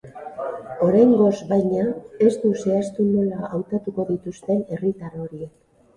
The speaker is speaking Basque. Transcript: Oraingoz, baina, ez du zehaztu nola hautatuko dituzten herritar horiek.